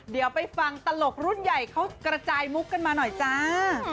เดี๋ยวไปฟังตลกรุ่นใหญ่เขากระจายมุกกันมาหน่อยจ้า